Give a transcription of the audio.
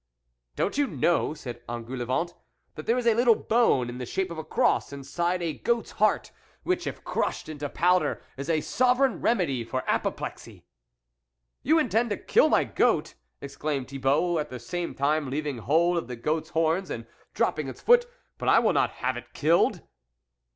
don't you know," said En goulevent, " that there is a little bone in the shape of a cross inside a goat's heart, which, if crushed into powder, is a sovereign remedy for apoplexy ?"" You intend to kill my goat ?" ex claimed Thibault, at the same time leaving THE WOLF LEADER 35 hold of the goat's horns, and dropping its foot, " but I will not have it killed."